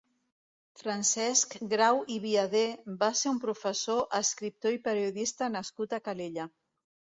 Francesc Grau i Viader va ser un professor, escriptor i periodista nascut a Calella.